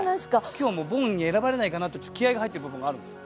今日はもうボンに選ばれないかなとちょっと気合いが入ってる部分があるんですよ。